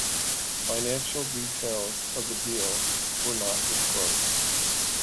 Financial details of the deal were not disclosed.